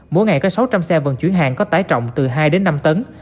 mỗi ngày có sáu trăm linh xe vận chuyển hàng có tải trọng từ hai đến năm tấn